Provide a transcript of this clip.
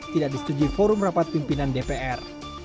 tidak disetujui forum rapat pimpinan dpr